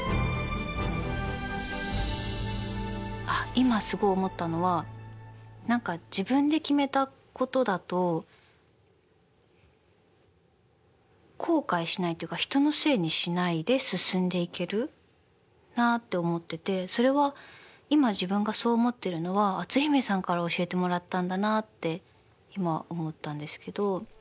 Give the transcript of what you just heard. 今すごい思ったのは何か自分で決めたことだと後悔しないっていうか人のせいにしないで進んでいけるなって思っててそれは今自分がそう思ってるのは篤姫さんから教えてもらったんだなって今思ったんですけど。